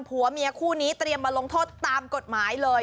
ผัวเมียคู่นี้เตรียมมาลงโทษตามกฎหมายเลย